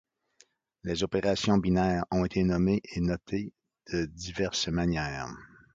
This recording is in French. Les opérations binaires ont été nommées et notées de diverses manières.